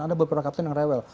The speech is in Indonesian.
ada beberapa kapten yang rewel